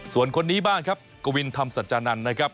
ส่วนคนนี้บ้างครับกวินธรรมสัจจานันทร์นะครับ